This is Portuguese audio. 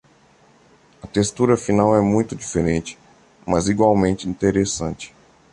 A textura final é muito diferente, mas igualmente interessante.